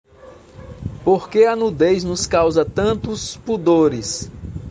Por que a nudez nos causa tantos pudores?